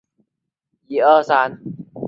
唐朝武德四年复置。